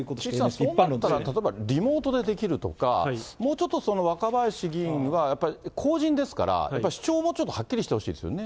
そうなったら例えばリモートでできるとか、もうちょっと若林議員はやっぱり公人ですから、主張をもうちょっとはっきりしてほしいですよね。